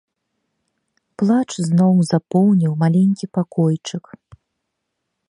Плач зноў запоўніў маленькі пакойчык.